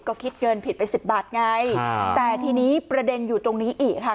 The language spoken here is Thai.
ก็คิดเงินผิดไปสิบบาทไงแต่ทีนี้ประเด็นอยู่ตรงนี้อีกค่ะ